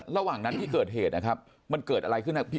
ระหว่างนั้นที่เกิดเหตุนะครับมันเกิดอะไรขึ้นนะพี่